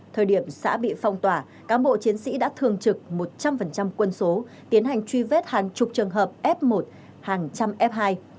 thời điểm xã bị phong tỏa cán bộ chiến sĩ đã thường trực một trăm linh quân số tiến hành truy vết hàng chục trường hợp f một hàng trăm f hai